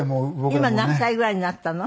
今何歳ぐらいになったの？